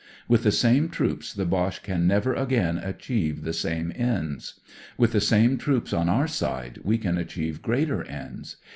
With the same troops the Boche can never again achieve the same ends. With the same troops on our side we can achieve greater ends.